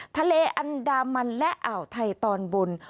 ทะเลอันดามันและอ่าวไทยตอนบน